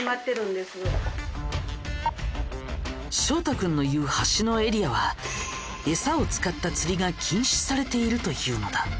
翔太君の言う橋のエリアは餌を使った釣りが禁止されているというのだ。